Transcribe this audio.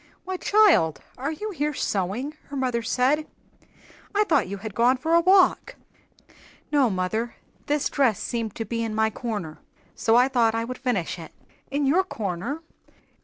"Why, child, are you here sewing?" her mother said. "I thought you had gone for a walk." "No, mother; this dress seemed to be in my 'corner,' so I thought I would finish it." "In your 'corner'!"